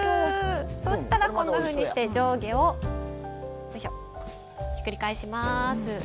そしたら、こんなふうにして上下をひっくり返します。